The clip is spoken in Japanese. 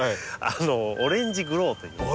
「オレンジグロー」といいます。